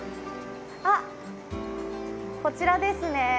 あっ、こちらですね。